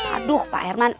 aduh pak herman